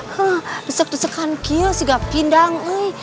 hah disek disekan kios tidak pindang eh